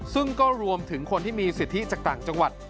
ซึ่งก็รวมถึงคนที่มีสิทธิจากต่างจังหวัด